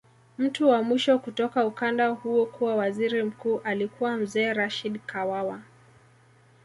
Mtu wa mwisho kutoka ukanda huo kuwa waziri mkuu alikuwa Mzee Rashid Kawawa